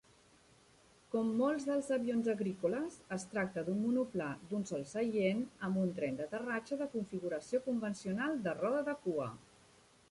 Com molts dels avions agrícoles, es tracta d'un monoplà d'un sol seient amb un tren d'aterratge de configuració convencional de roda de cua.